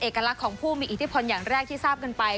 ลักษณ์ของผู้มีอิทธิพลอย่างแรกที่ทราบกันไป